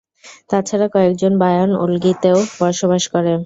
তাছাড়া কয়েকজন বায়ান-ওলগিতে ও বাস করে।